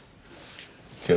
じゃあ。